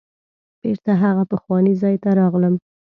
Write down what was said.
بیرته هغه پخواني ځای ته راغلم.